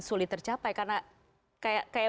sulit tercapai karena kayak